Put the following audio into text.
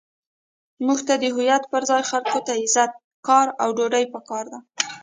موږ ته د هویت پر ځای خلکو ته عزت، کار، او ډوډۍ پکار ده.